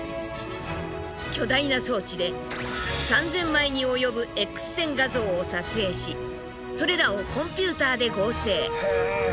巨大な装置で３，０００枚に及ぶＸ線画像を撮影しそれらをコンピューターで合成。